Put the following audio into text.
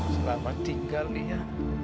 selamat tinggal lia